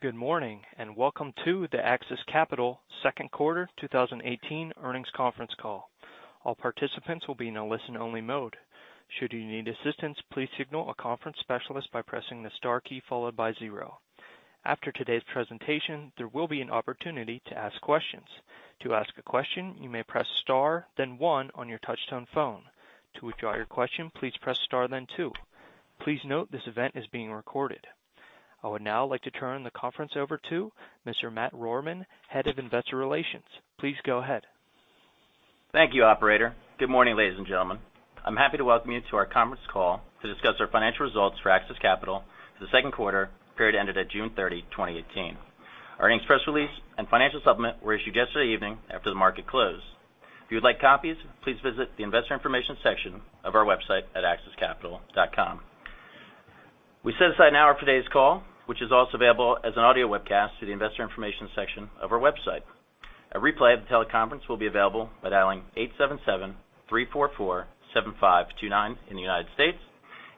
Good morning, and welcome to the AXIS Capital second quarter 2018 earnings conference call. All participants will be in a listen-only mode. Should you need assistance, please signal a conference specialist by pressing the star key followed by zero. After today's presentation, there will be an opportunity to ask questions. To ask a question, you may press star then one on your touch-tone phone. To withdraw your question, please press star then two. Please note this event is being recorded. I would now like to turn the conference over to Mr. Matt Rohrmann, Head of Investor Relations. Please go ahead. Thank you, operator. Good morning, ladies and gentlemen. I'm happy to welcome you to our conference call to discuss our financial results for AXIS Capital for the second quarter, period ended at June 30, 2018. Our earnings press release and financial supplement were issued yesterday evening after the market closed. If you would like copies, please visit the investor information section of our website at axiscapital.com. We set aside an hour for today's call, which is also available as an audio webcast through the investor information section of our website. A replay of the teleconference will be available by dialing 877-344-7529 in the United States,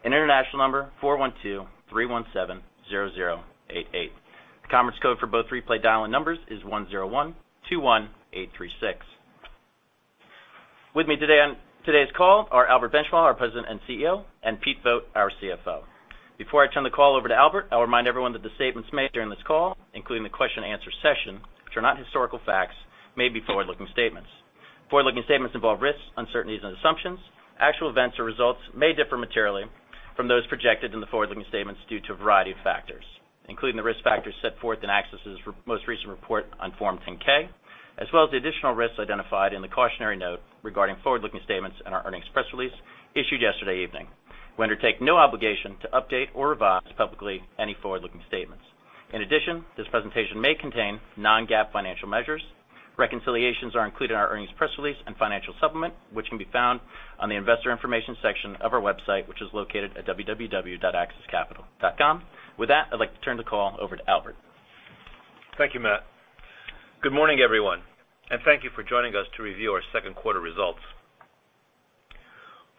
International number 412-317-0088. The conference code for both replay dial-in numbers is 10121836. With me today on today's call are Albert Benchimol, our President and CEO, and Pete Vogt, our CFO. Before I turn the call over to Albert, I'll remind everyone that the statements made during this call, including the question and answer session, which are not historical facts, may be forward-looking statements. Forward-looking statements involve risks, uncertainties, and assumptions. Actual events or results may differ materially from those projected in the forward-looking statements due to a variety of factors, including the risk factors set forth in AXIS' most recent report on Form 10-K, as well as the additional risks identified in the cautionary note regarding forward-looking statements in our earnings press release issued yesterday evening. We undertake no obligation to update or revise publicly any forward-looking statements. In addition, this presentation may contain non-GAAP financial measures. Reconciliations are included in our earnings press release and financial supplement, which can be found on the investor information section of our website, which is located at www.axiscapital.com. With that, I'd like to turn the call over to Albert. Thank you, Matt. Good morning, everyone, and thank you for joining us to review our second quarter results.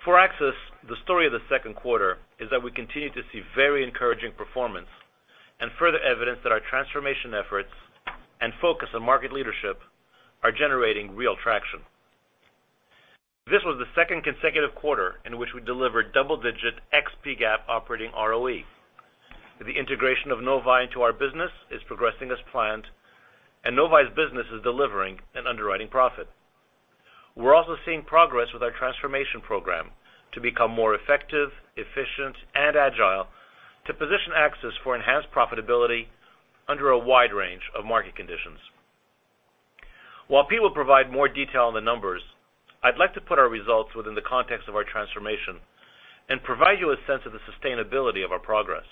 For AXIS, the story of the second quarter is that we continue to see very encouraging performance and further evidence that our transformation efforts and focus on market leadership are generating real traction. This was the second consecutive quarter in which we delivered double-digit ex-PGAAP operating ROE. The integration of Novae into our business is progressing as planned, Novae's business is delivering an underwriting profit. We are also seeing progress with our transformation program to become more effective, efficient, and agile to position AXIS for enhanced profitability under a wide range of market conditions. While Pete will provide more detail on the numbers, I would like to put our results within the context of our transformation and provide you a sense of the sustainability of our progress.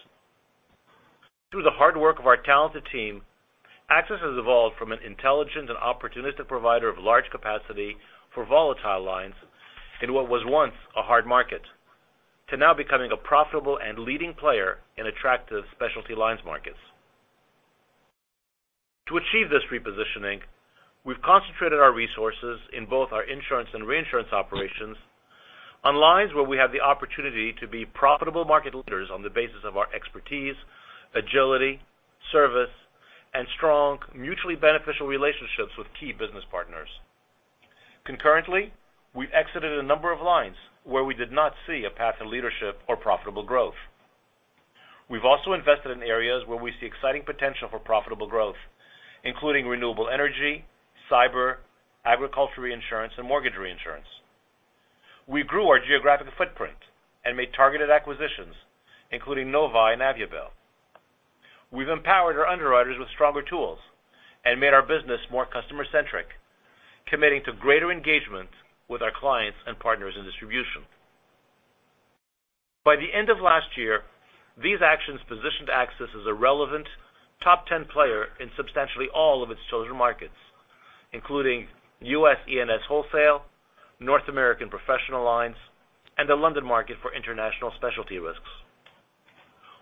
Through the hard work of our talented team, AXIS has evolved from an intelligent and opportunistic provider of large capacity for volatile lines in what was once a hard market, to now becoming a profitable and leading player in attractive specialty lines markets. To achieve this repositioning, we have concentrated our resources in both our insurance and reinsurance operations on lines where we have the opportunity to be profitable market leaders on the basis of our expertise, agility, service, and strong mutually beneficial relationships with key business partners. Concurrently, we have exited a number of lines where we did not see a path to leadership or profitable growth. We have also invested in areas where we see exciting potential for profitable growth, including renewable energy, cyber, agriculture reinsurance, and mortgage reinsurance. We grew our geographic footprint and made targeted acquisitions, including Novae and Aviabel. We have empowered our underwriters with stronger tools and made our business more customer-centric, committing to greater engagement with our clients and partners in distribution. By the end of last year, these actions positioned AXIS as a relevant top 10 player in substantially all of its chosen markets, including U.S. E&S wholesale, North American professional lines, and the London market for international specialty risks.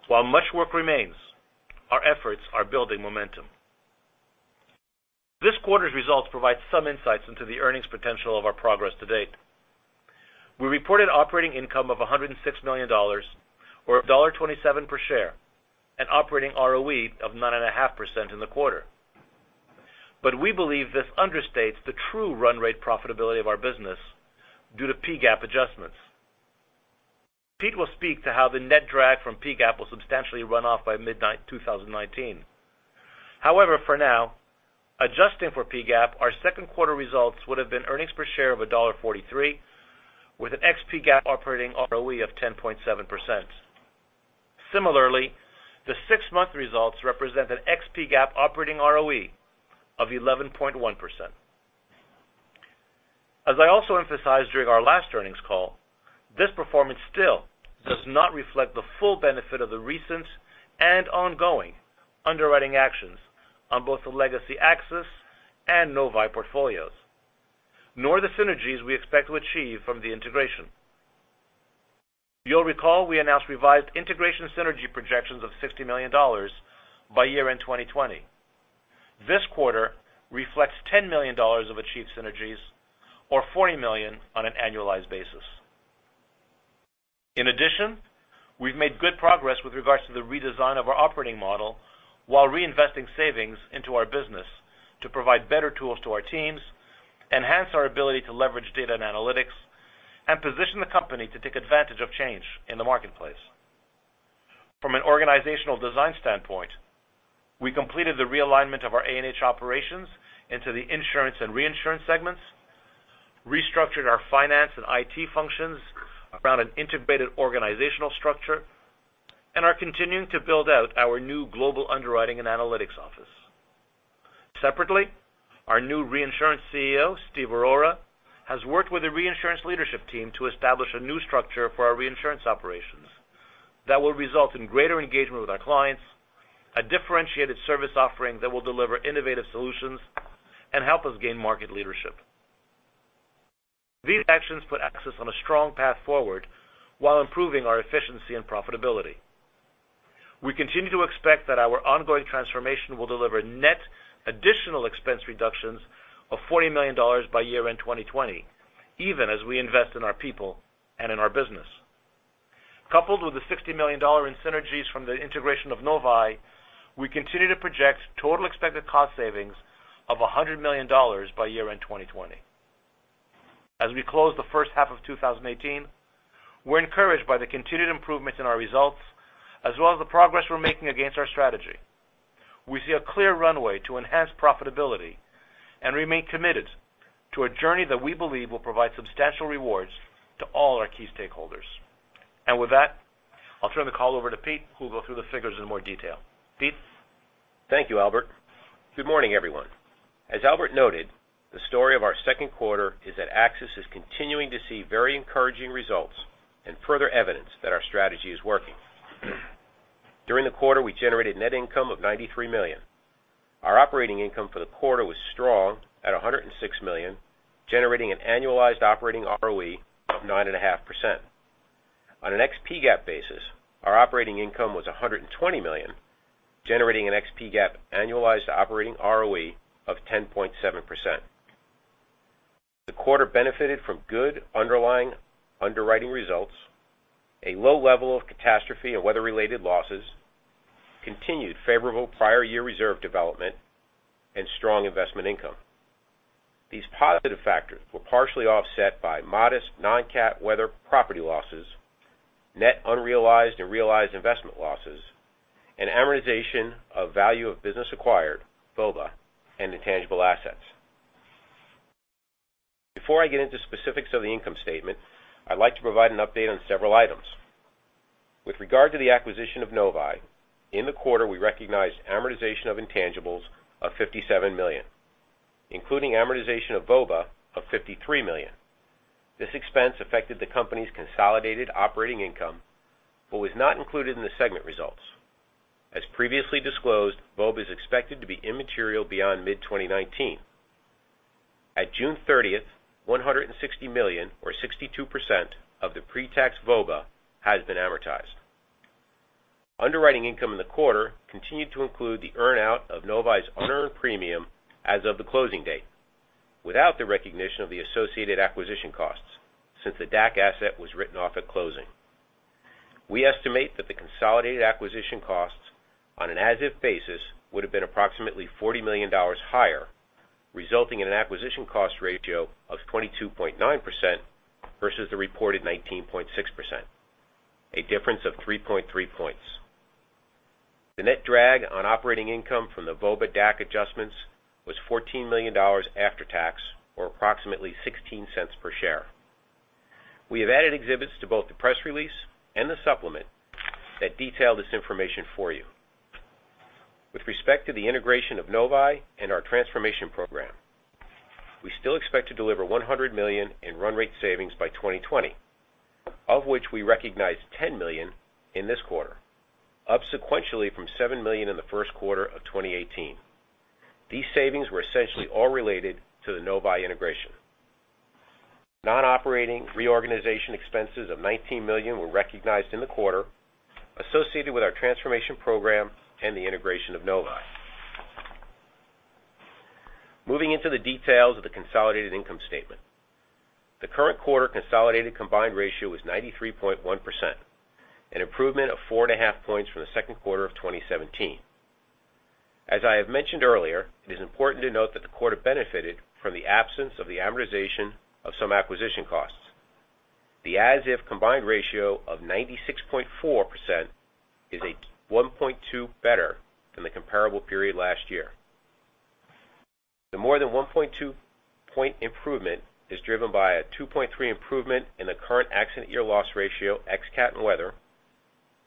While much work remains, our efforts are building momentum. This quarter's results provide some insights into the earnings potential of our progress to date. We reported operating income of $106 million, or $1.27 per share, and operating ROE of 9.5% in the quarter. We believe this understates the true run rate profitability of our business due to PGAAP adjustments. Pete will speak to how the net drag from PGAAP will substantially run off by mid-2019. However, for now, adjusting for PGAAP, our second quarter results would have been earnings per share of $1.43 with an ex-PGAAP operating ROE of 10.7%. Similarly, the six-month results represent an ex-PGAAP operating ROE of 11.1%. As I also emphasized during our last earnings call, this performance still does not reflect the full benefit of the recent and ongoing underwriting actions on both the legacy AXIS and Novae portfolios, nor the synergies we expect to achieve from the integration. You will recall we announced revised integration synergy projections of $60 million by year-end 2020. This quarter reflects $10 million of achieved synergies, or $40 million on an annualized basis. We've made good progress with regards to the redesign of our operating model while reinvesting savings into our business to provide better tools to our teams, enhance our ability to leverage data and analytics, and position the company to take advantage of change in the marketplace. From an organizational design standpoint, we completed the realignment of our A&H operations into the insurance and reinsurance segments, restructured our finance and IT functions around an integrated organizational structure, and are continuing to build out our new global underwriting and analytics office. Separately, our new reinsurance CEO, Steve Arora, has worked with the reinsurance leadership team to establish a new structure for our reinsurance operations that will result in greater engagement with our clients, a differentiated service offering that will deliver innovative solutions, and help us gain market leadership. These actions put AXIS on a strong path forward while improving our efficiency and profitability. We continue to expect that our ongoing transformation will deliver net additional expense reductions of $40 million by year-end 2020, even as we invest in our people and in our business. Coupled with the $60 million in synergies from the integration of Novae, we continue to project total expected cost savings of $100 million by year-end 2020. As we close the first half of 2018, we're encouraged by the continued improvements in our results, as well as the progress we're making against our strategy. We see a clear runway to enhance profitability and remain committed to a journey that we believe will provide substantial rewards to all our key stakeholders. With that, I'll turn the call over to Pete, who'll go through the figures in more detail. Pete? Thank you, Albert. Good morning, everyone. As Albert noted, the story of our second quarter is that AXIS is continuing to see very encouraging results and further evidence that our strategy is working. During the quarter, we generated net income of $93 million. Our operating income for the quarter was strong at $106 million, generating an annualized operating ROE of 9.5%. On an ex-PGAAP basis, our operating income was $120 million, generating an ex-PGAAP annualized operating ROE of 10.7%. The quarter benefited from good underlying underwriting results, a low level of catastrophe and weather-related losses, continued favorable prior year reserve development, and strong investment income. These positive factors were partially offset by modest non-cat weather property losses, net unrealized and realized investment losses, and amortization of value of business acquired, VOBA, and intangible assets. Before I get into specifics of the income statement, I'd like to provide an update on several items. With regard to the acquisition of Novae, in the quarter, we recognized amortization of intangibles of $57 million, including amortization of VOBA of $53 million. This expense affected the company's consolidated operating income, but was not included in the segment results. As previously disclosed, VOBA is expected to be immaterial beyond mid-2019. At June 30th, $160 million or 62% of the pre-tax VOBA has been amortized. Underwriting income in the quarter continued to include the earn-out of Novae's unearned premium as of the closing date, without the recognition of the associated acquisition costs, since the DAC asset was written off at closing. We estimate that the consolidated acquisition costs on an as-if basis would have been approximately $40 million higher, resulting in an acquisition cost ratio of 22.9% versus the reported 19.6%, a difference of 3.3 points. The net drag on operating income from the VOBA DAC adjustments was $14 million after tax, or approximately $0.16 per share. We have added exhibits to both the press release and the supplement that detail this information for you. With respect to the integration of Novae and our transformation program, we still expect to deliver $100 million in run rate savings by 2020, of which we recognized $10 million in this quarter, up sequentially from $7 million in the first quarter of 2018. These savings were essentially all related to the Novae integration. Non-operating reorganization expenses of $19 million were recognized in the quarter associated with our transformation program and the integration of Novae. Moving into the details of the consolidated income statement. The current quarter consolidated combined ratio was 93.1%, an improvement of four and a half points from the second quarter of 2017. As I have mentioned earlier, it is important to note that the quarter benefited from the absence of the amortization of some acquisition costs. The as-if combined ratio of 96.4% is a 1.2 better than the comparable period last year. The more than 1.2 point improvement is driven by a 2.3 improvement in the current accident year loss ratio, ex cat and weather,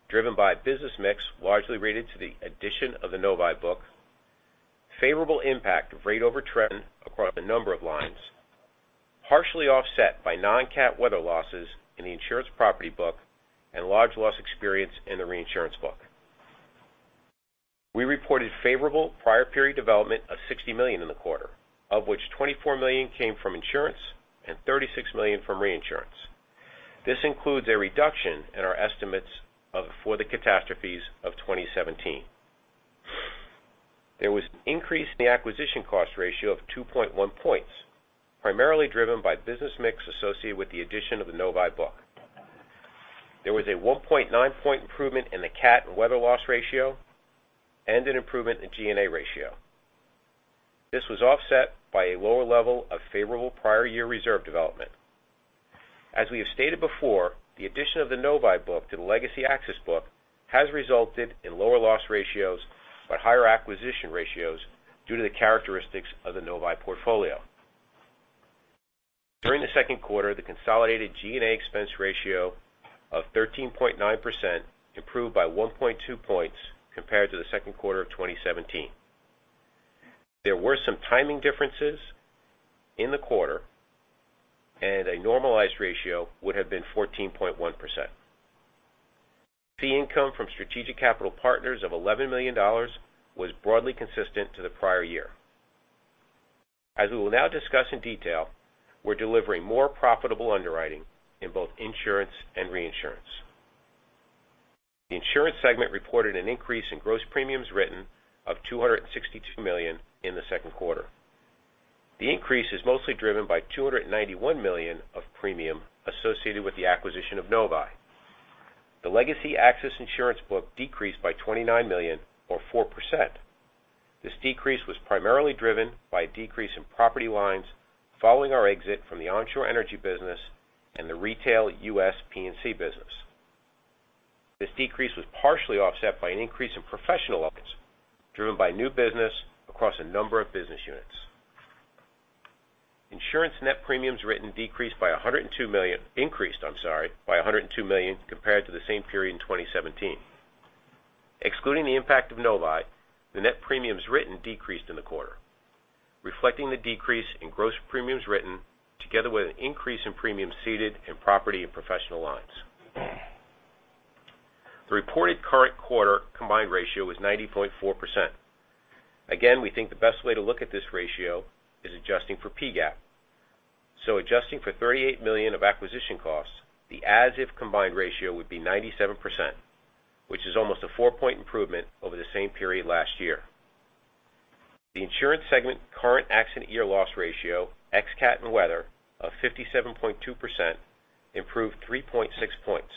driven by business mix largely related to the addition of the Novae book, favorable impact of rate over trend across a number of lines, partially offset by non-cat weather losses in the insurance property book and large loss experience in the reinsurance book. We reported favorable prior period development of $60 million in the quarter, of which $24 million came from insurance and $36 million from reinsurance. This includes a reduction in our estimates for the catastrophes of 2017. There was an increase in the acquisition cost ratio of 2.1 points, primarily driven by business mix associated with the addition of the Novae book. There was a 1.9 point improvement in the cat and weather loss ratio and an improvement in G&A ratio. This was offset by a lower level of favorable prior year reserve development. As we have stated before, the addition of the Novae book to the legacy AXIS book has resulted in lower loss ratios but higher acquisition ratios due to the characteristics of the Novae portfolio. During the second quarter, the consolidated G&A expense ratio of 13.9% improved by 1.2 points compared to the second quarter of 2017. There were some timing differences in the quarter. A normalized ratio would have been 14.1%. Fee income from strategic capital partners of $11 million was broadly consistent to the prior year. As we will now discuss in detail, we are delivering more profitable underwriting in both insurance and reinsurance. The insurance segment reported an increase in gross premiums written of $262 million in the second quarter. The increase is mostly driven by $291 million of premium associated with the acquisition of Novae. The legacy AXIS insurance book decreased by $29 million or 4%. This decrease was primarily driven by a decrease in property lines following our exit from the onshore energy business and the retail US P&C business. This decrease was partially offset by an increase in professional lines, driven by new business across a number of business units. Insurance net premiums written increased by $102 million compared to the same period in 2017. Excluding the impact of Novae, the net premiums written decreased in the quarter, reflecting the decrease in gross premiums written together with an increase in premiums ceded in property and professional lines. The reported current quarter combined ratio was 90.4%. Again, we think the best way to look at this ratio is adjusting for PGAAP. Adjusting for $38 million of acquisition costs, the as-if combined ratio would be 97%, which is almost a four-point improvement over the same period last year. The insurance segment current accident year loss ratio, ex-cat and weather, of 57.2%, improved 3.6 points.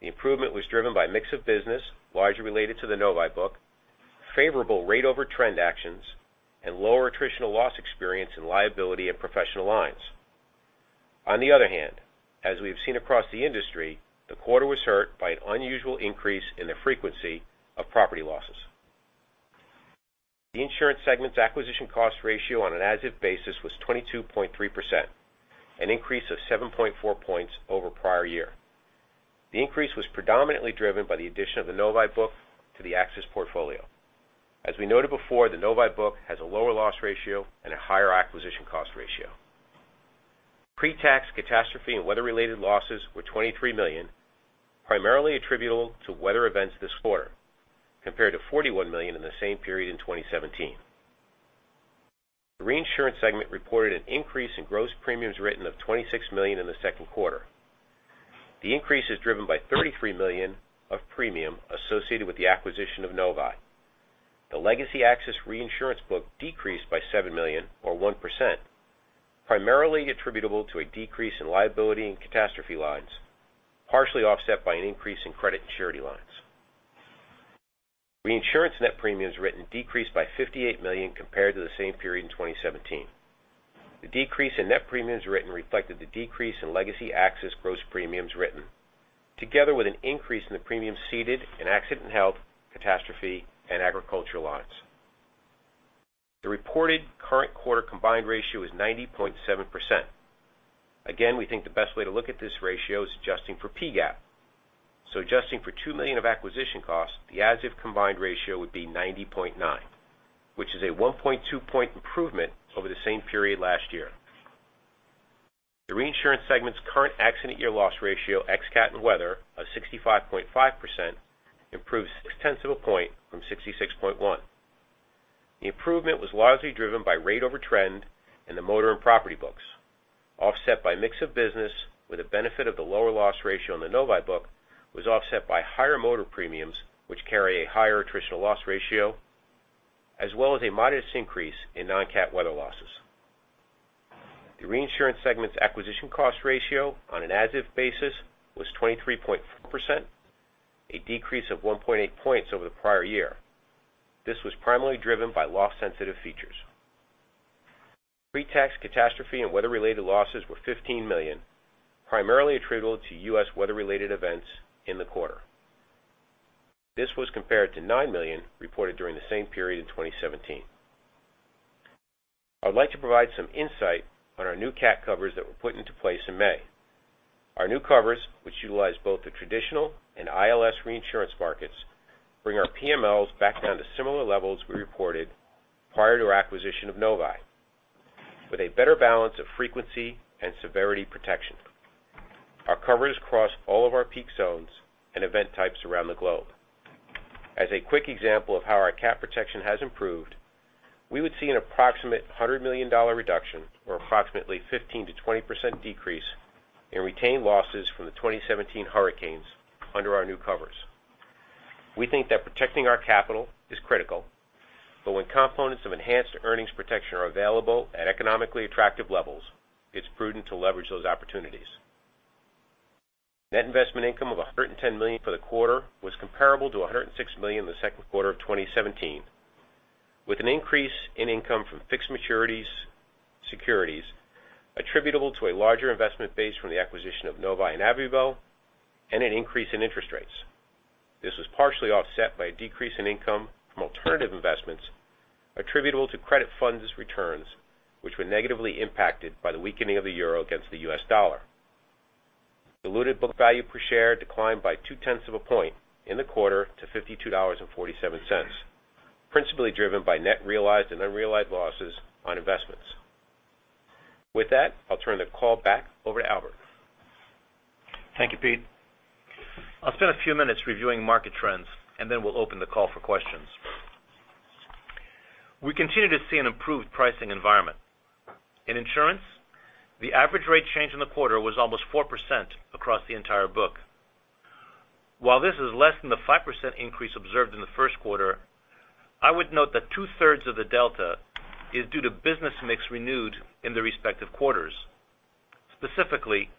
The improvement was driven by mix of business, largely related to the Novae book, favorable rate over trend actions, and lower attritional loss experience in liability and professional lines. On the other hand, as we have seen across the industry, the quarter was hurt by an unusual increase in the frequency of property losses. The insurance segment's acquisition cost ratio on an as-if basis was 22.3%, an increase of 7.4 points over prior year. The increase was predominantly driven by the addition of the Novae book to the AXIS portfolio. As we noted before, the Novae book has a lower loss ratio and a higher acquisition cost ratio. Pre-tax catastrophe and weather-related losses were $23 million, primarily attributable to weather events this quarter, compared to $41 million in the same period in 2017. The reinsurance segment reported an increase in gross premiums written of $26 million in the second quarter. The increase is driven by $33 million of premium associated with the acquisition of Novae. The legacy AXIS reinsurance book decreased by $7 million or 1%, primarily attributable to a decrease in liability and catastrophe lines, partially offset by an increase in credit and surety lines. Reinsurance net premiums written decreased by $58 million compared to the same period in 2017. The decrease in net premiums written reflected the decrease in legacy AXIS gross premiums written, together with an increase in the premiums ceded in accident health, catastrophe, and agriculture lines. The reported current quarter combined ratio is 90.7%. Again, we think the best way to look at this ratio is adjusting for PGAAP. Adjusting for $2 million of acquisition costs, the as-if combined ratio would be 90.9%, which is a 1.2-point improvement over the same period last year. The reinsurance segment's current accident year loss ratio, ex-cat and weather, of 65.5%, improved six tenths of a point from 66.1%. The improvement was largely driven by rate over trend in the motor and property books, offset by mix of business with the benefit of the lower loss ratio in the Novae book, was offset by higher motor premiums, which carry a higher attritional loss ratio, as well as a modest increase in non-cat weather losses. The reinsurance segment's acquisition cost ratio on an as-if basis was 23.4%, a decrease of 1.8 points over the prior year. This was primarily driven by loss-sensitive features. Pre-tax catastrophe and weather-related losses were $15 million, primarily attributable to U.S. weather-related events in the quarter. This was compared to $9 million reported during the same period in 2017. I would like to provide some insight on our new cat covers that were put into place in May. Our new covers, which utilize both the traditional and ILS reinsurance markets, bring our PMLs back down to similar levels we reported prior to our acquisition of Novae, with a better balance of frequency and severity protection. Our coverage across all of our peak zones and event types around the globe. As a quick example of how our cat protection has improved, we would see an approximate $100 million reduction or approximately 15%-20% decrease in retained losses from the 2017 hurricanes under our new covers. We think that protecting our capital is critical, but when components of enhanced earnings protection are available at economically attractive levels, it's prudent to leverage those opportunities. Net investment income of $110 million for the quarter was comparable to $106 million in the second quarter of 2017, with an increase in income from fixed maturities securities attributable to a larger investment base from the acquisition of Novae and Aviabel and an increase in interest rates. This was partially offset by a decrease in income from alternative investments attributable to credit funds' returns, which were negatively impacted by the weakening of the EUR against the US dollar. Diluted book value per share declined by two-tenths of a point in the quarter to $52.47, principally driven by net realized and unrealized losses on investments. With that, I'll turn the call back over to Albert. Thank you, Pete. I'll spend a few minutes reviewing market trends. Then we'll open the call for questions. We continue to see an improved pricing environment. In insurance, the average rate change in the quarter was almost 4% across the entire book. While this is less than the 5% increase observed in the first quarter, I would note that two-thirds of the delta is due to business mix renewed in the respective quarters. Specifically,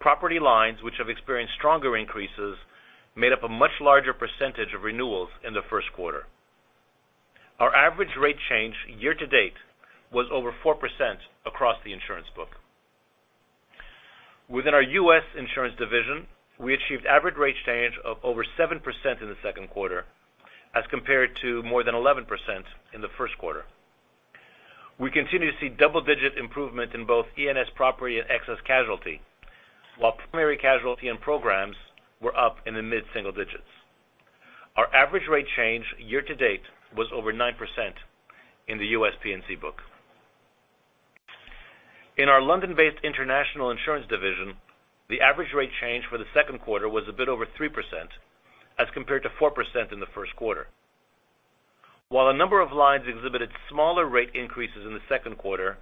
property lines which have experienced stronger increases made up a much larger percentage of renewals in the first quarter. Our average rate change year to date was over 4% across the insurance book. Within our U.S. insurance division, we achieved average rate change of over 7% in the second quarter as compared to more than 11% in the first quarter. We continue to see double-digit improvement in both E&S property and excess casualty, while primary casualty and programs were up in the mid-single digits. Our average rate change year to date was over 9% in the U.S. P&C book. In our London-based international insurance division, the average rate change for the second quarter was a bit over 3% as compared to 4% in the first quarter. While a number of lines exhibited smaller rate increases in the second quarter,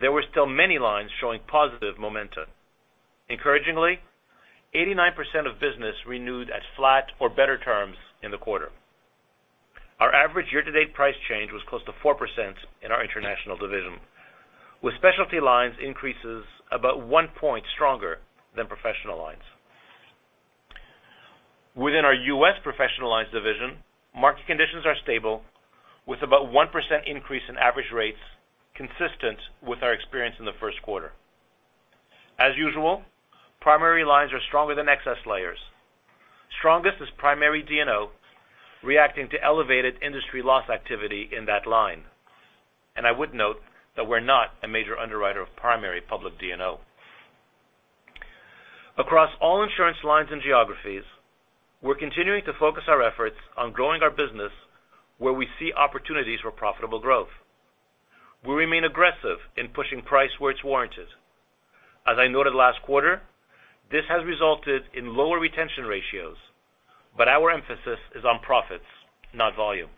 there were still many lines showing positive momentum. Encouragingly, 89% of business renewed at flat or better terms in the quarter. Our average year-to-date price change was close to 4% in our international division, with specialty lines increases about one point stronger than professional lines. Within our U.S. professional lines division, market conditions are stable, with about 1% increase in average rates consistent with our experience in the first quarter. As usual, primary lines are stronger than excess layers. Strongest is primary D&O reacting to elevated industry loss activity in that line. I would note that we're not a major underwriter of primary public D&O. Across all insurance lines and geographies, we're continuing to focus our efforts on growing our business where we see opportunities for profitable growth. We remain aggressive in pushing price where it's warranted. As I noted last quarter, this has resulted in lower retention ratios, but our emphasis is on profits, not volume.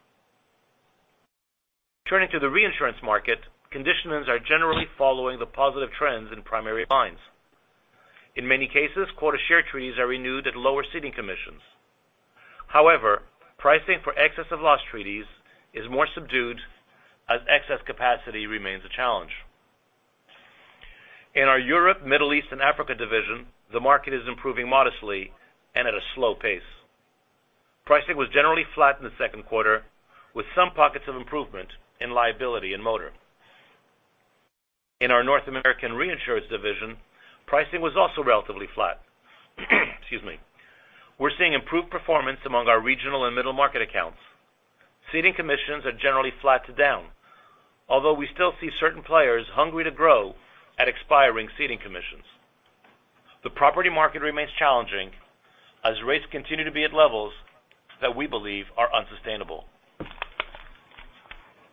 Turning to the reinsurance market, conditions are generally following the positive trends in primary lines. In many cases, quota share treaties are renewed at lower ceding commissions. However, pricing for excess of loss treaties is more subdued as excess capacity remains a challenge. In our Europe, Middle East and Africa division, the market is improving modestly and at a slow pace. Pricing was generally flat in the second quarter, with some pockets of improvement in liability and Motor. In our North American reinsurance division, pricing was also relatively flat. Excuse me. We're seeing improved performance among our regional and middle-market accounts. Ceding commissions are generally flat to down, although we still see certain players hungry to grow at expiring ceding commissions. The property market remains challenging as rates continue to be at levels that we believe are unsustainable.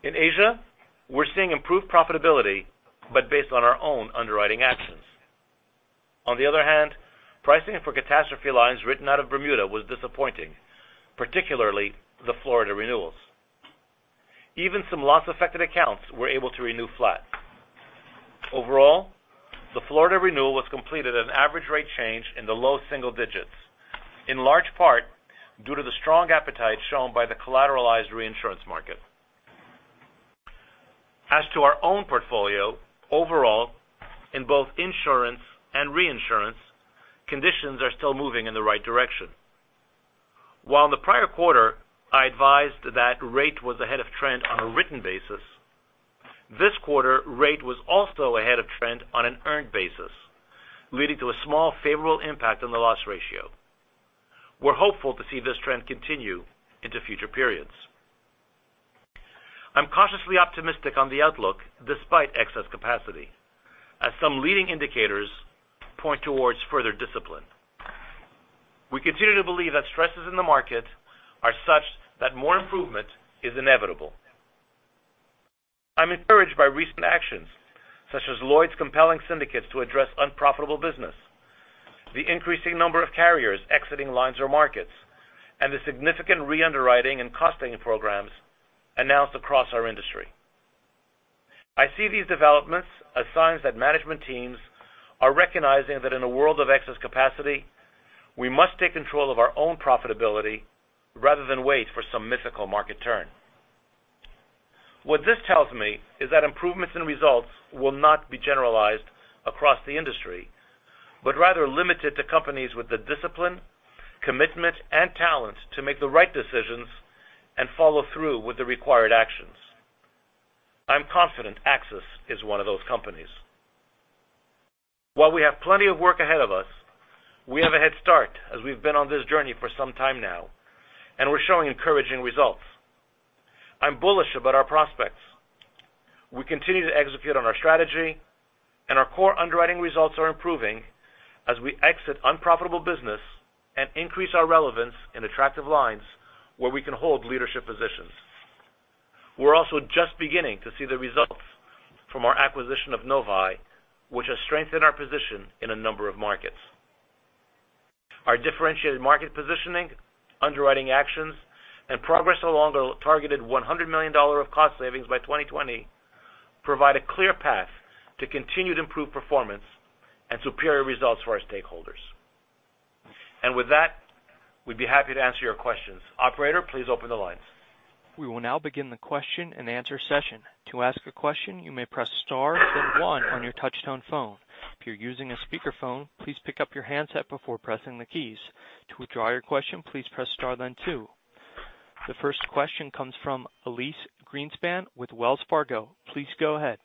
In Asia, we're seeing improved profitability, but based on our own underwriting actions. The other hand, pricing for catastrophe lines written out of Bermuda was disappointing, particularly the Florida renewals. Even some loss-affected accounts were able to renew flat. Overall, the Florida renewal was completed at an average rate change in the low single digits, in large part due to the strong appetite shown by the collateralized reinsurance market. As to our own portfolio, overall, in both insurance and reinsurance, conditions are still moving in the right direction. While in the prior quarter I advised that rate was ahead of trend on a written basis, this quarter rate was also ahead of trend on an earned basis, leading to a small favorable impact on the loss ratio. We're hopeful to see this trend continue into future periods. I'm cautiously optimistic on the outlook despite excess capacity, as some leading indicators point towards further discipline. We continue to believe that stresses in the market are such that more improvement is inevitable. I'm encouraged by recent actions, such as Lloyd's compelling syndicates to address unprofitable business The increasing number of carriers exiting lines or markets, and the significant re-underwriting and costing programs announced across our industry. I see these developments as signs that management teams are recognizing that in a world of excess capacity, we must take control of our own profitability rather than wait for some mythical market turn. What this tells me is that improvements in results will not be generalized across the industry, but rather limited to companies with the discipline, commitment, and talent to make the right decisions and follow through with the required actions. I'm confident AXIS is one of those companies. While we have plenty of work ahead of us, we have a head start as we've been on this journey for some time now, and we're showing encouraging results. I'm bullish about our prospects. We continue to execute on our strategy, and our core underwriting results are improving as we exit unprofitable business and increase our relevance in attractive lines where we can hold leadership positions. We're also just beginning to see the results from our acquisition of Novae, which has strengthened our position in a number of markets. Our differentiated market positioning, underwriting actions, and progress along the targeted $100 million of cost savings by 2020 provide a clear path to continued improved performance and superior results for our stakeholders. With that, we'd be happy to answer your questions. Operator, please open the lines. We will now begin the question and answer session. To ask a question, you may press star, then one on your touch-tone phone. If you're using a speakerphone, please pick up your handset before pressing the keys. To withdraw your question, please press star, then two. The first question comes from Elyse Greenspan with Wells Fargo. Please go ahead.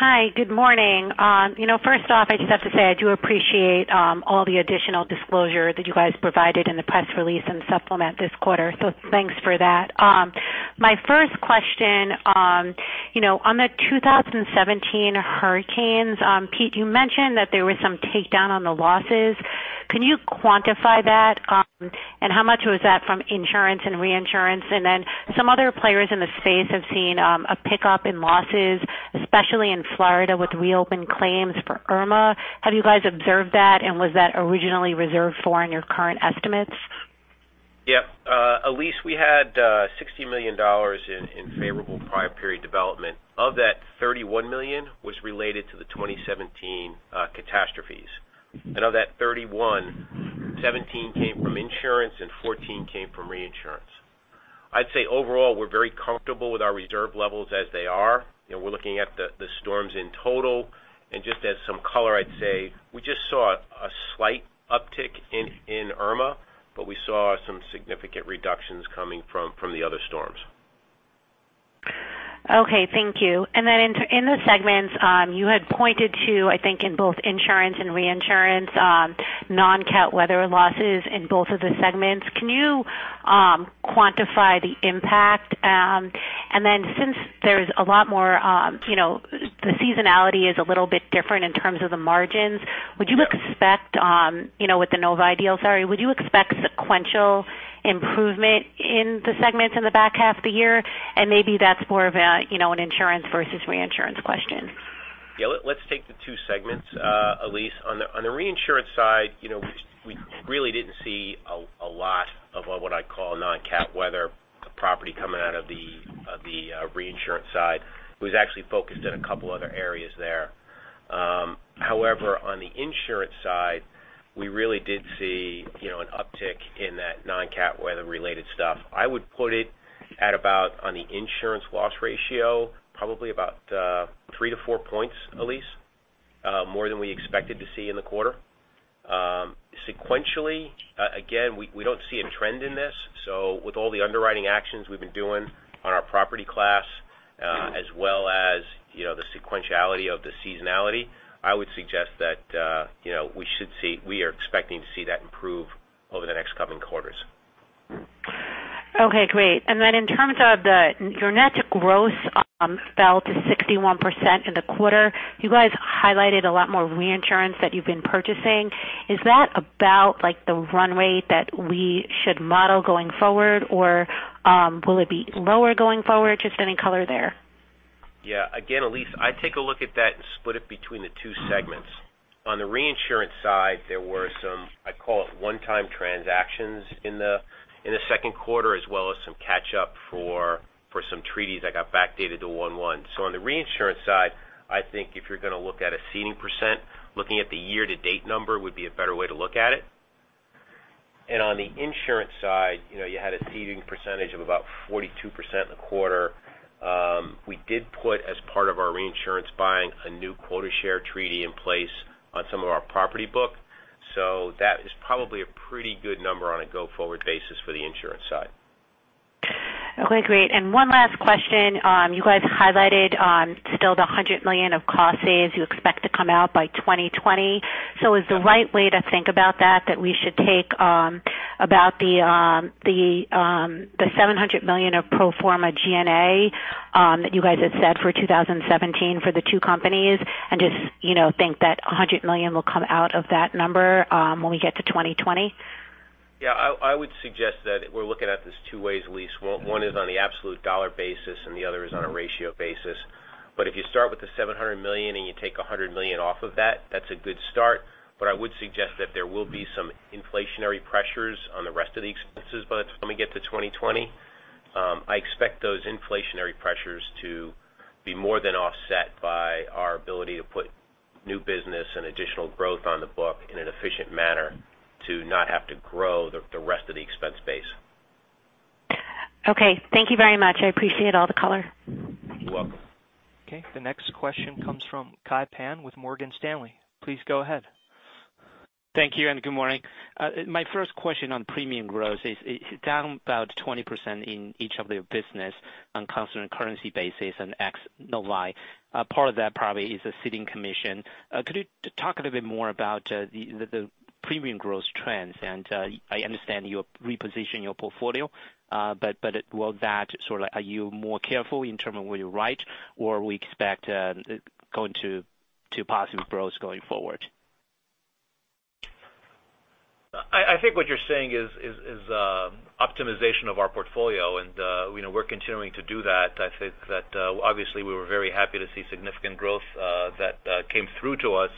Hi. Good morning. First off, I just have to say, I do appreciate all the additional disclosure that you guys provided in the press release and supplement this quarter. Thanks for that. My first question, on the 2017 hurricanes, Pete, you mentioned that there was some takedown on the losses. Can you quantify that? How much was that from insurance and reinsurance? Some other players in the space have seen a pickup in losses, especially in Florida with reopened claims for Irma. Have you guys observed that, and was that originally reserved for in your current estimates? Yeah. Elyse, we had $60 million in favorable prior period development. Of that, $31 million was related to the 2017 catastrophes. Of that 31, 17 came from insurance and 14 came from reinsurance. I'd say overall, we're very comfortable with our reserve levels as they are. And just as some color, I'd say we just saw a slight uptick in Irma, but we saw some significant reductions coming from the other storms. Okay. Thank you. In the segments you had pointed to, I think in both insurance and reinsurance, non-cat weather losses in both of the segments. Can you quantify the impact? Since the seasonality is a little bit different in terms of the margins, with the Novae deal, sorry, would you expect sequential improvement in the segments in the back half of the year? Maybe that's more of an insurance versus reinsurance question. Yeah. Let's take the two segments, Elyse. On the reinsurance side, we really didn't see a lot of what I'd call non-cat weather property coming out of the reinsurance side. It was actually focused in a couple other areas there. However, on the insurance side, we really did see an uptick in that non-cat weather-related stuff. I would put it at about, on the insurance loss ratio, probably about three to four points, Elyse, more than we expected to see in the quarter. Sequentially, again, we don't see a trend in this. With all the underwriting actions we've been doing on our property class as well as the sequentiality of the seasonality, I would suggest that we are expecting to see that improve over the next coming quarters. Okay, great. In terms of your net growth fell to 61% in the quarter. You guys highlighted a lot more reinsurance that you've been purchasing. Is that about the run rate that we should model going forward, or will it be lower going forward? Just any color there. Yeah. Again, Elyse, I'd take a look at that and split it between the two segments. On the reinsurance side, there were some, I call it one-time transactions in the second quarter, as well as some catch up for some treaties that got backdated to 1/1. On the reinsurance side, I think if you're going to look at a ceding percent, looking at the year-to-date number would be a better way to look at it. On the insurance side, you had a ceding percentage of about 42% in the quarter. We did put as part of our reinsurance buying a new quota share treaty in place on some of our property book. That is probably a pretty good number on a go-forward basis for the insurance side. Okay, great. One last question. You guys highlighted still the $100 million of cost saves you expect to come out by 2020. Is the right way to think about that we should take about the $700 million of pro forma G&A that you guys had said for 2017 for the two companies and just think that $100 million will come out of that number when we get to 2020? Yeah, I would suggest that we're looking at this two ways, Elyse. One is on the absolute dollar basis and the other is on a ratio basis. If you start with the $700 million and you take $100 million off of that's a good start. I would suggest that there will be some inflationary pressures on the rest of the expenses by the time we get to 2020. I expect those inflationary pressures to be more than offset by our ability to put new business and additional growth on the book in an efficient manner to not have to grow the rest of the expense base. Okay. Thank you very much. I appreciate all the color. You're welcome. Okay, the next question comes from Kai Pan with Morgan Stanley. Please go ahead. Thank you, and good morning. My first question on premium growth is it's down about 20% in each of their business on constant currency basis and ex-Novae. Part of that probably is a ceding commission. Could you talk a little bit more about the premium growth trends? I understand you reposition your portfolio. Are you more careful in terms of where you write or we expect going to positive growth going forward? I think what you're saying is optimization of our portfolio, and we're continuing to do that. I think that obviously we were very happy to see significant growth that came through to us,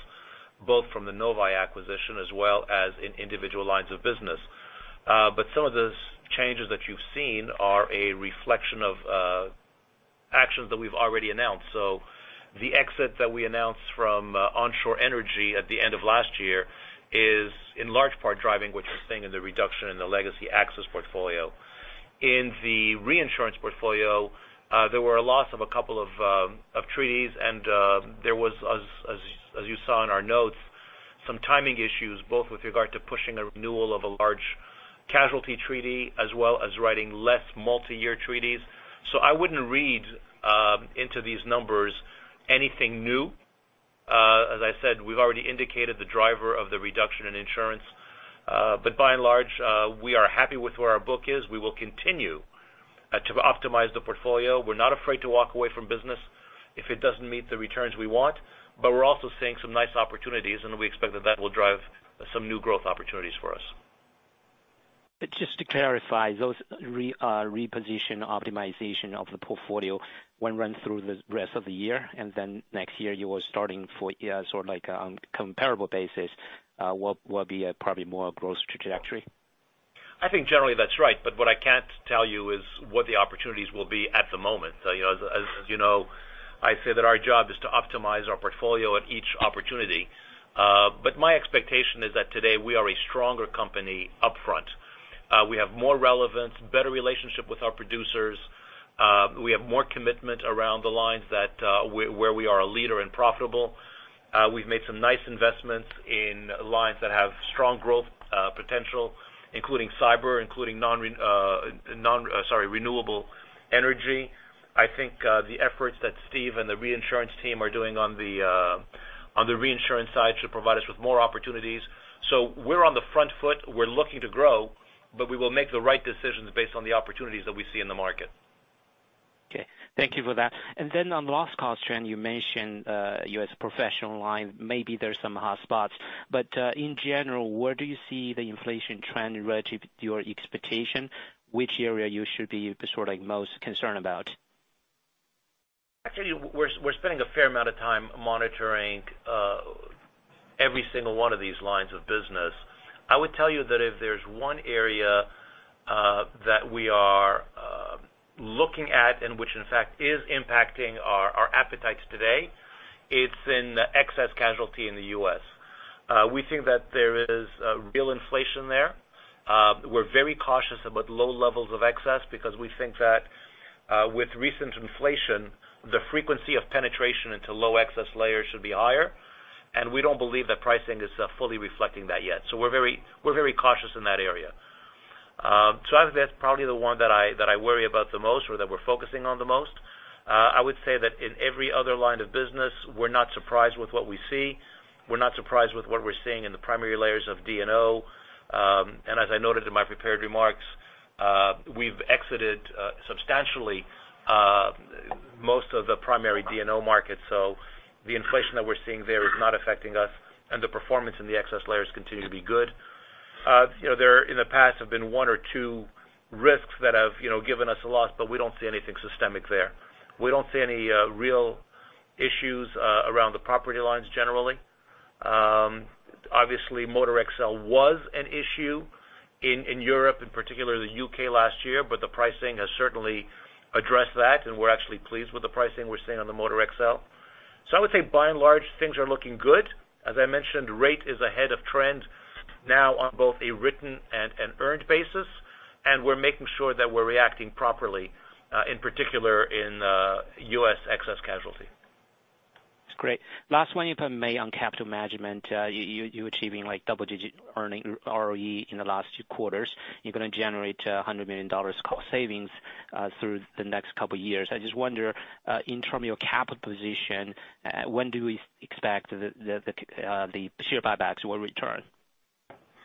both from the Novae acquisition as well as in individual lines of business. Some of the changes that you've seen are a reflection of actions that we've already announced. The exit that we announced from onshore energy at the end of last year is in large part driving what you're seeing in the reduction in the legacy AXIS portfolio. In the reinsurance portfolio, there were a loss of a couple of treaties, and there was, as you saw in our notes, some timing issues, both with regard to pushing a renewal of a large casualty treaty as well as writing less multi-year treaties. I wouldn't read into these numbers anything new. As I said, we've already indicated the driver of the reduction in insurance. By and large, we are happy with where our book is. We will continue to optimize the portfolio. We're not afraid to walk away from business if it doesn't meet the returns we want. We're also seeing some nice opportunities, and we expect that that will drive some new growth opportunities for us. Just to clarify, those reposition optimization of the portfolio will run through the rest of the year, then next year you are starting on comparable basis will be a probably more growth trajectory? I think generally that's right, what I can't tell you is what the opportunities will be at the moment. As you know, I say that our job is to optimize our portfolio at each opportunity. My expectation is that today we are a stronger company upfront. We have more relevance, better relationship with our producers. We have more commitment around the lines where we are a leader and profitable. We've made some nice investments in lines that have strong growth potential, including cyber, including renewable energy. I think the efforts that Steve and the reinsurance team are doing on the reinsurance side should provide us with more opportunities. We're on the front foot. We're looking to grow, but we will make the right decisions based on the opportunities that we see in the market. Okay. Thank you for that. Then on the loss cost trend, you mentioned U.S. professional line, maybe there's some hotspots. In general, where do you see the inflation trend relative to your expectation, which area you should be most concerned about? Actually, we're spending a fair amount of time monitoring every single one of these lines of business. I would tell you that if there's one area that we are looking at, and which in fact is impacting our appetites today, it's in excess casualty in the U.S. We think that there is real inflation there. We're very cautious about low levels of excess because we think that with recent inflation, the frequency of penetration into low excess layers should be higher, and we don't believe that pricing is fully reflecting that yet. We're very cautious in that area. I would say that's probably the one that I worry about the most or that we're focusing on the most. I would say that in every other line of business, we're not surprised with what we see. We're not surprised with what we're seeing in the primary layers of D&O. As I noted in my prepared remarks, we've exited substantially most of the primary D&O markets. The inflation that we're seeing there is not affecting us, and the performance in the excess layers continue to be good. There in the past have been one or two risks that have given us a loss, we don't see anything systemic there. We don't see any real issues around the property lines generally. Obviously, Motor XL was an issue in Europe, in particular the U.K. last year, the pricing has certainly addressed that, and we're actually pleased with the pricing we're seeing on the Motor XL. I would say by and large, things are looking good. As I mentioned, rate is ahead of trend now on both a written and an earned basis, and we're making sure that we're reacting properly, in particular in U.S. excess casualty. That's great. Last one, if I may, on capital management. You're achieving double-digit earning ROE in the last two quarters. You're going to generate $100 million cost savings through the next couple of years. I just wonder in term of your capital position, when do we expect the share buybacks will return?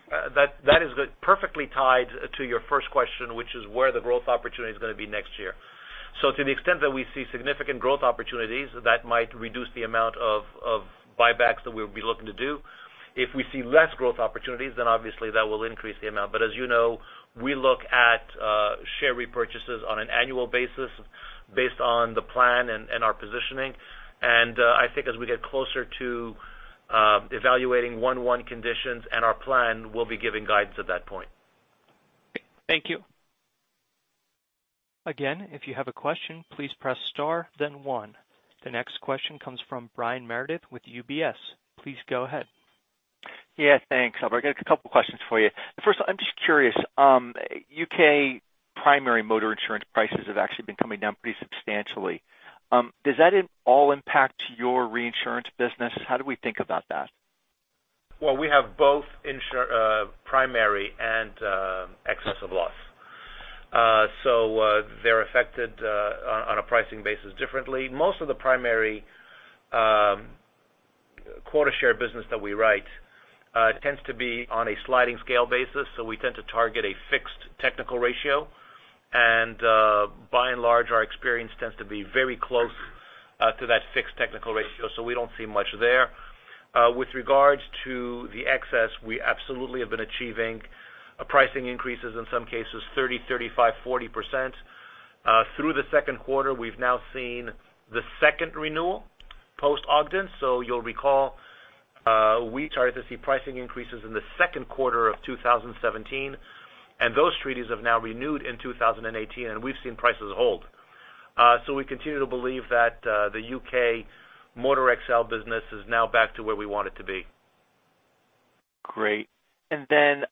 That is perfectly tied to your first question, which is where the growth opportunity is going to be next year. To the extent that we see significant growth opportunities, that might reduce the amount of buybacks that we'll be looking to do. If we see less growth opportunities, obviously that will increase the amount. As you know, we look at share repurchases on an annual basis based on the plan and our positioning. I think as we get closer to evaluating 1/1 conditions and our plan, we'll be giving guidance at that point. Thank you. Again, if you have a question, please press star then one. The next question comes from Brian Meredith with UBS. Please go ahead. Yeah, thanks. Albert, I got a couple questions for you. First, I'm just curious. U.K. primary motor insurance prices have actually been coming down pretty substantially. Does that at all impact your reinsurance business? How do we think about that? Well, we have both primary and excess of loss. They're affected on a pricing basis differently. Most of the primary quota share business that we write tends to be on a sliding scale basis, so we tend to target a fixed technical ratio. By and large, our experience tends to be very close to that fixed technical ratio, so we don't see much there. With regards to the excess, we absolutely have been achieving pricing increases, in some cases, 30%, 35%, 40%. Through the second quarter, we've now seen the second renewal post-Ogden. You'll recall, we started to see pricing increases in the second quarter of 2017, and those treaties have now renewed in 2018, and we've seen prices hold. We continue to believe that the U.K. Motor XL business is now back to where we want it to be. Great. Then,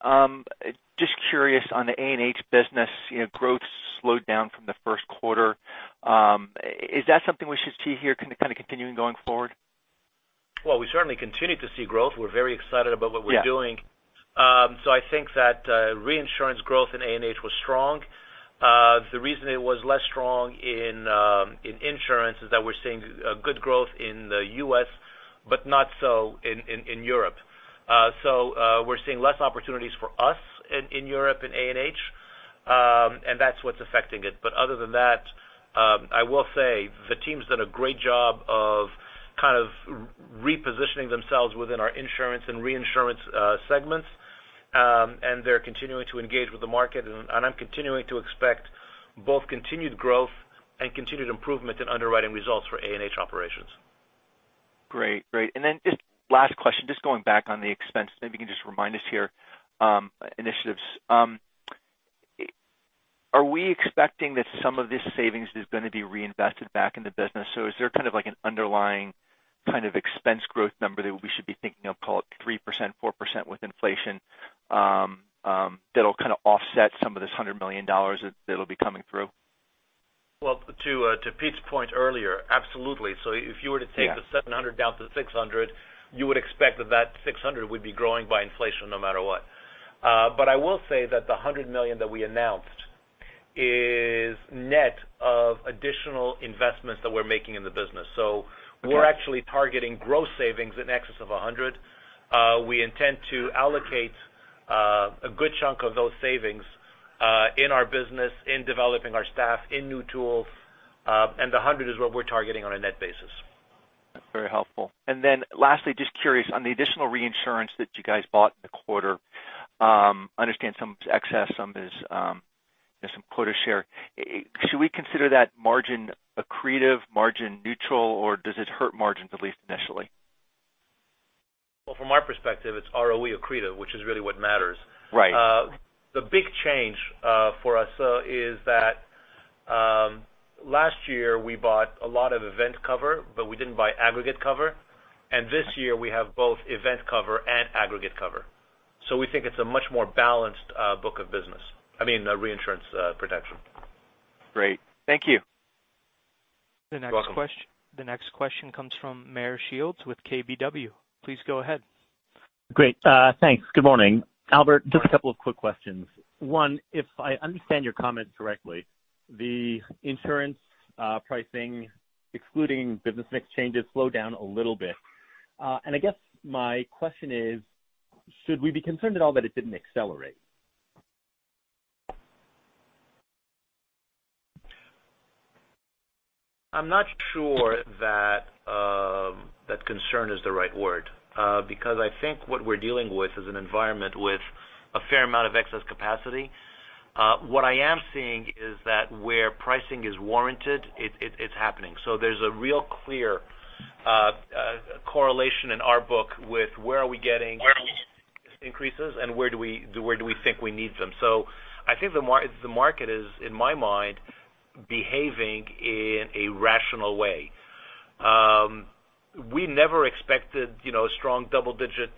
just curious on the A&H business, growth slowed down from the first quarter. Is that something we should see here kind of continuing going forward? Well, we certainly continue to see growth. We're very excited about what we're doing. Yeah. I think that reinsurance growth in A&H was strong. The reason it was less strong in insurance is that we're seeing good growth in the U.S., but not so in Europe. We're seeing less opportunities for us in Europe in A&H, and that's what's affecting it. Other than that, I will say the team's done a great job of kind of repositioning themselves within our insurance and reinsurance segments, and they're continuing to engage with the market, and I'm continuing to expect both continued growth and continued improvement in underwriting results for A&H operations. Great. Just last question, just going back on the expense. Maybe you can just remind us here, initiatives. Are we expecting that some of this savings is going to be reinvested back in the business? Is there kind of an underlying expense growth number that we should be thinking of, call it 3%-4% with inflation, that'll kind of offset some of this $100 million that'll be coming through? Well, to Pete's point earlier, absolutely. If you were to take the $700 down to the $600, you would expect that that $600 would be growing by inflation no matter what. I will say that the $100 million that we announced is net of additional investments that we're making in the business. Okay. We're actually targeting gross savings in excess of 100. We intend to allocate a good chunk of those savings in our business, in developing our staff, in new tools. The 100 is what we're targeting on a net basis. That's very helpful. Lastly, just curious on the additional reinsurance that you guys bought in the quarter. I understand some is excess, some is quota share. Should we consider that margin accretive, margin neutral, or does it hurt margins at least initially? Well, from our perspective, it's ROE accretive, which is really what matters. Right. The big change for us is that last year we bought a lot of event cover, but we didn't buy aggregate cover, and this year we have both event cover and aggregate cover. We think it's a much more balanced book of business, I mean, reinsurance protection. Great. Thank you. You're welcome. The next question comes from Meyer Shields with KBW. Please go ahead. Great. Thanks. Good morning. Albert, just a couple of quick questions. One, if I understand your comments correctly, the insurance pricing, excluding business mix changes, slowed down a little bit. I guess my question is, should we be concerned at all that it didn't accelerate? I'm not sure that concern is the right word. I think what we're dealing with is an environment with a fair amount of excess capacity. What I am seeing is that where pricing is warranted, it's happening. There's a real clear correlation in our book with where are we getting increases and where do we think we need them. I think the market is, in my mind, behaving in a rational way. We never expected strong double-digit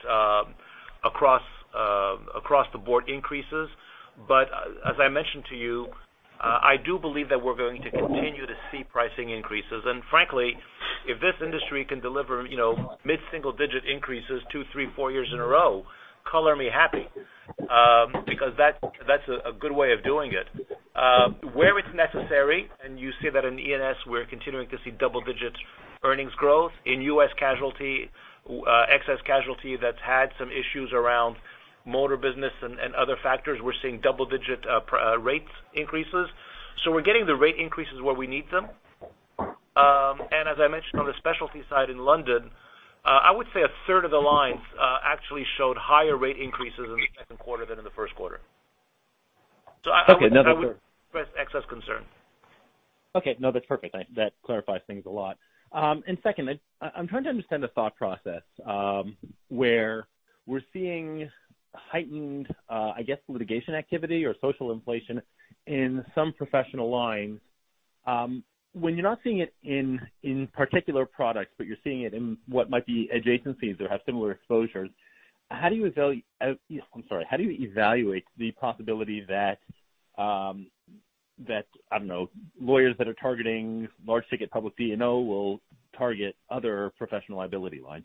across the board increases. As I mentioned to you, I do believe that we're going to continue to see pricing increases. Frankly, if this industry can deliver mid-single digit increases two, three, four years in a row, color me happy. That's a good way of doing it. Where it's necessary, and you see that in E&S, we're continuing to see double-digit earnings growth. In U.S. casualty, excess casualty that's had some issues around Motor business and other factors, we're seeing double-digit rate increases. We're getting the rate increases where we need them. As I mentioned on the specialty side in London, I would say a third of the lines actually showed higher rate increases in the second quarter than in the first quarter. Okay. No. I wouldn't press excess concern. Okay. No, that's perfect. That clarifies things a lot. Second, I'm trying to understand the thought process, where we're seeing heightened, I guess, litigation activity or social inflation in some professional lines. When you're not seeing it in particular products, but you're seeing it in what might be adjacencies or have similar exposures, how do you evaluate the possibility that, I don't know, lawyers that are targeting large-ticket public D&O will target other professional liability lines?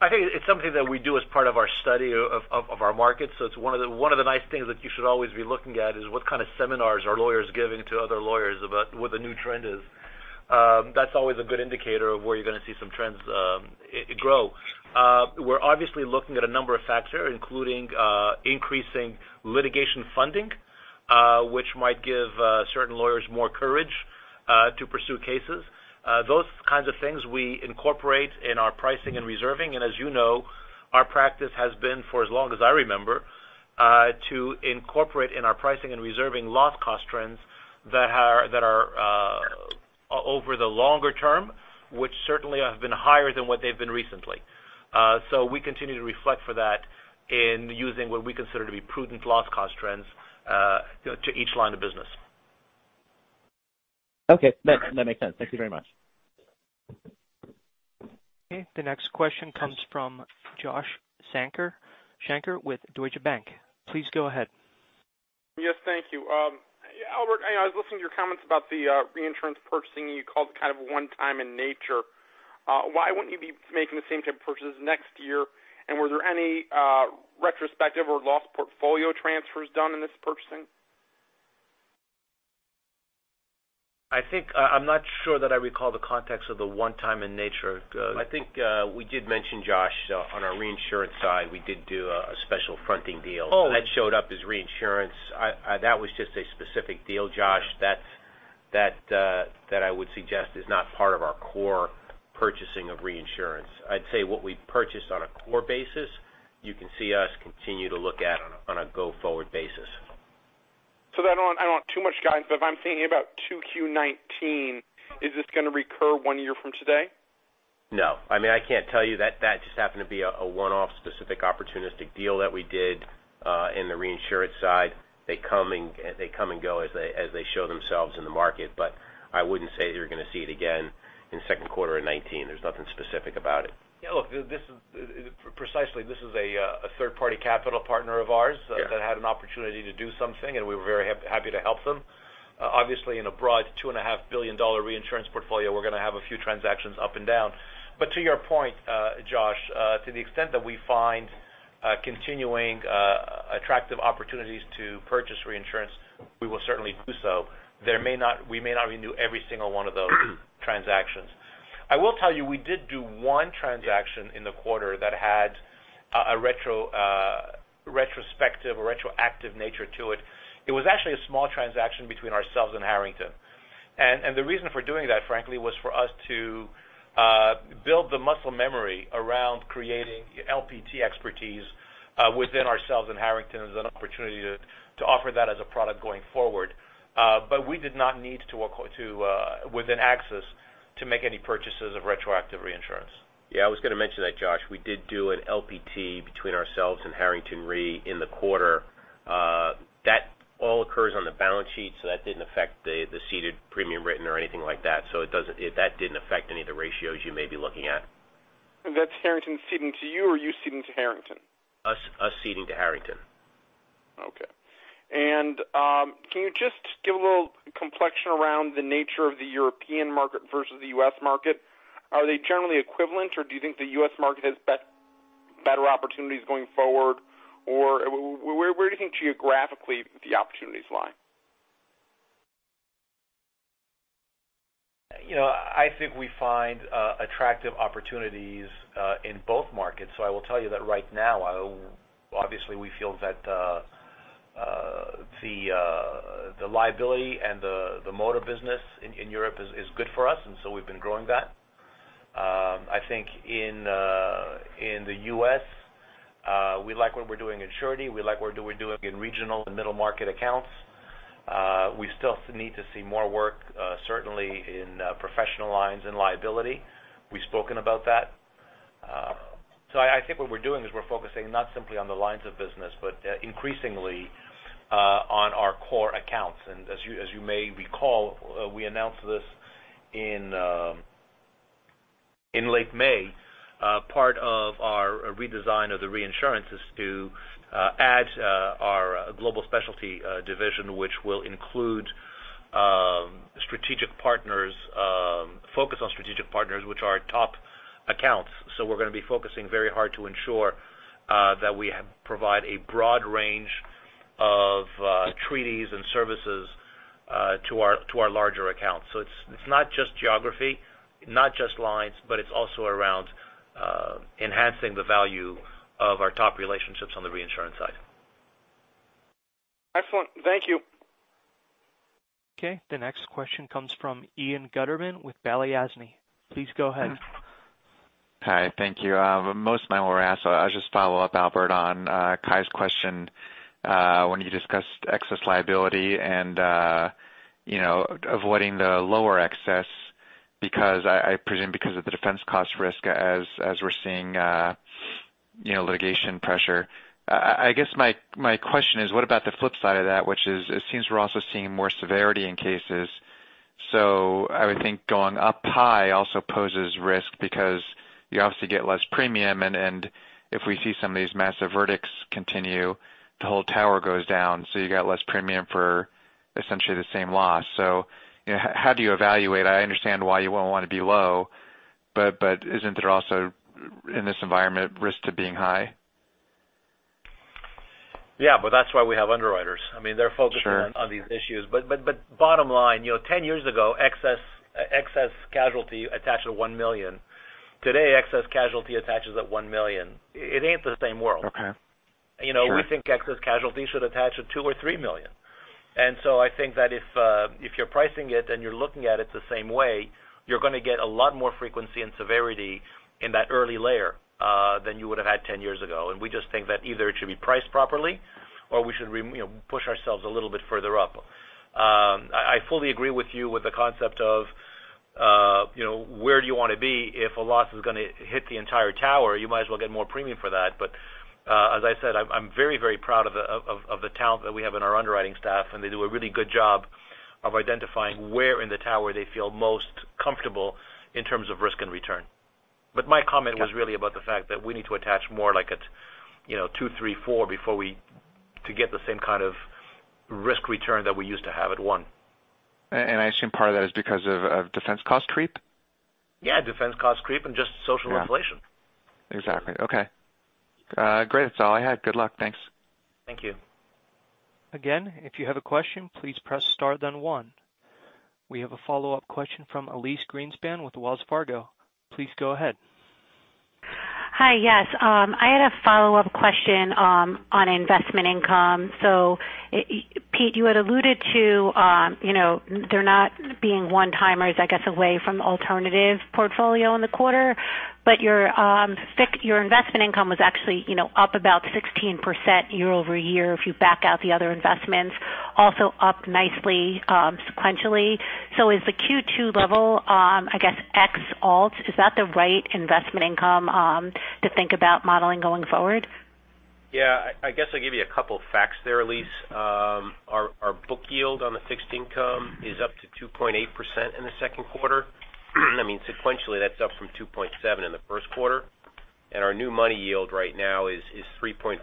I think it's something that we do as part of our study of our markets. It's one of the nice things that you should always be looking at is what kind of seminars are lawyers giving to other lawyers about what the new trend is. That's always a good indicator of where you're going to see some trends grow. We're obviously looking at a number of factors, including increasing litigation funding, which might give certain lawyers more courage to pursue cases. Those kinds of things we incorporate in our pricing and reserving. As you know, our practice has been, for as long as I remember, to incorporate in our pricing and reserving loss cost trends that are over the longer term, which certainly have been higher than what they've been recently. We continue to reflect for that in using what we consider to be prudent loss cost trends to each line of business. Okay. That makes sense. Thank you very much. Okay, the next question comes from Josh Shanker with Deutsche Bank. Please go ahead. Yes, thank you. Albert, I was listening to your comments about the reinsurance purchasing you called kind of one time in nature. Why wouldn't you be making the same type of purchases next year? Were there any retrospective or loss portfolio transfers done in this purchasing? I think I'm not sure that I recall the context of the one time in nature. I think we did mention, Josh, on our reinsurance side, we did do a special fronting deal. Oh. That showed up as reinsurance. That was just a specific deal, Josh. That I would suggest is not part of our core purchasing of reinsurance. I'd say what we purchased on a core basis, you can see us continue to look at on a go-forward basis. I don't want too much guidance, but if I'm thinking about 2Q19, is this going to recur one year from today? No. I can't tell you that just happened to be a one-off specific opportunistic deal that we did in the reinsurance side. They come and go as they show themselves in the market. I wouldn't say you're going to see it again in second quarter of 2019. There's nothing specific about it. Yeah, look, precisely, this is a third-party capital partner of ours. Yeah that had an opportunity to do something, we were very happy to help them. Obviously, in a broad $2.5 billion reinsurance portfolio, we're going to have a few transactions up and down. To your point, Josh, to the extent that we find continuing attractive opportunities to purchase reinsurance, we will certainly do so. We may not renew every single one of those transactions. I will tell you, we did do one transaction in the quarter that had a retrospective or retroactive nature to it. It was actually a small transaction between ourselves and Harrington. The reason for doing that, frankly, was for us to build the muscle memory around creating LPT expertise within ourselves and Harrington as an opportunity to offer that as a product going forward. We did not need to, within AXIS, to make any purchases of retroactive reinsurance. Yeah, I was going to mention that, Josh. We did do an LPT between ourselves and Harrington Re in the quarter. That all occurs on the balance sheet, that didn't affect the ceded premium written or anything like that. That didn't affect any of the ratios you may be looking at. That's Harrington ceding to you or you ceding to Harrington? Us ceding to Harrington. Okay. Can you just give a little complexion around the nature of the European market versus the U.S. market? Are they generally equivalent, or do you think the U.S. market has better opportunities going forward, or where do you think geographically the opportunities lie? I think we find attractive opportunities in both markets. I will tell you that right now, obviously, we feel that the liability and the motor business in Europe is good for us, and so we've been growing that. I think in the U.S., we like what we're doing in surety. We like what we're doing in regional and middle-market accounts. We still need to see more work, certainly in professional lines and liability. We've spoken about that. I think what we're doing is we're focusing not simply on the lines of business, but increasingly on our core accounts. As you may recall, we announced this in late May. Part of our redesign of the reinsurance is to add our Global Specialty Division, which will include strategic partners, focus on strategic partners, which are top accounts. We're going to be focusing very hard to ensure that we provide a broad range of treaties and services to our larger accounts. It's not just geography, not just lines, but it's also around enhancing the value of our top relationships on the reinsurance side. Excellent. Thank you. The next question comes from Ian Gutterman with Balyasny. Please go ahead. Hi. Thank you. Most of mine were asked. I'll just follow up, Albert, on Kai's question when you discussed excess liability and avoiding the lower excess because, I presume, because of the defense cost risk as we're seeing litigation pressure. I guess my question is, what about the flip side of that, which is, it seems we're also seeing more severity in cases. I would think going up high also poses risk because you obviously get less premium, and if we see some of these massive verdicts continue, the whole tower goes down. You get less premium for essentially the same loss. How do you evaluate? I understand why you won't want to be low, but isn't there also, in this environment, risk to being high? That's why we have underwriters. Sure. They're focused on these issues. Bottom line, 10 years ago, excess casualty attached at $1 million. Today, excess casualty attaches at $1 million. It ain't the same world. Okay. Sure. We think excess casualty should attach at $2 million or $3 million. I think that if you're pricing it and you're looking at it the same way, you're going to get a lot more frequency and severity in that early layer than you would have had 10 years ago. We just think that either it should be priced properly or we should push ourselves a little bit further up. I fully agree with you with the concept of where do you want to be if a loss is going to hit the entire tower, you might as well get more premium for that. As I said, I'm very proud of the talent that we have in our underwriting staff, and they do a really good job of identifying where in the tower they feel most comfortable in terms of risk and return. My comment Okay was really about the fact that we need to attach more like at two, three, four to get the same kind of risk return that we used to have at one. I assume part of that is because of defense cost creep? Yeah, defense cost creep and just social inflation. Yeah. Exactly. Okay. Great. That's all I had. Good luck. Thanks. Thank you. Again, if you have a question, please press star then one. We have a follow-up question from Elyse Greenspan with Wells Fargo. Please go ahead. Hi. Yes. I had a follow-up question on investment income. Pete, you had alluded to there not being one-timers, I guess, away from alternative portfolio in the quarter, but your investment income was actually up about 16% year-over-year if you back out the other investments, also up nicely sequentially. Is the Q2 level, I guess, ex alt, is that the right investment income to think about modeling going forward? Yeah. I guess I'll give you a couple of facts there, Elyse. Our book yield on the fixed income is up to 2.8% in the second quarter. Sequentially, that's up from 2.7 in the first quarter, and our new money yield right now is 3.4%,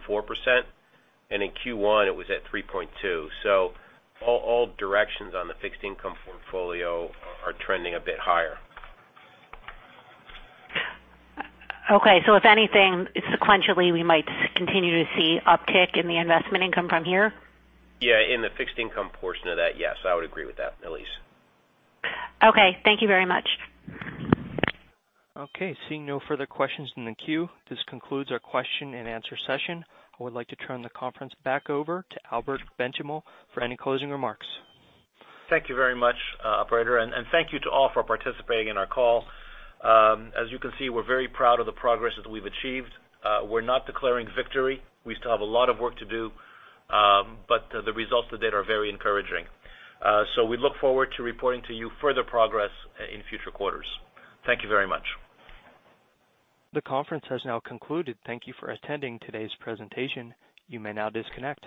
and in Q1 it was at 3.2. All directions on the fixed income portfolio are trending a bit higher. Okay. If anything, sequentially, we might continue to see uptick in the investment income from here? Yeah, in the fixed income portion of that, yes, I would agree with that, Elyse. Okay. Thank you very much. Okay. Seeing no further questions in the queue, this concludes our question and answer session. I would like to turn the conference back over to Albert Benchimol for any closing remarks. Thank you very much Operator. Thank you to all for participating in our call. As you can see, we're very proud of the progress that we've achieved. We're not declaring victory. We still have a lot of work to do. The results to date are very encouraging. We look forward to reporting to you further progress in future quarters. Thank you very much. The conference has now concluded. Thank you for attending today's presentation. You may now disconnect.